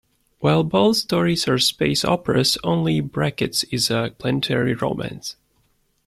While both stories are space operas, only Brackett's is a planetary romance.